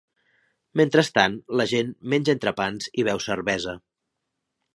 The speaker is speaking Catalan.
Mentrestant, la gent menja entrepans i beu cervesa.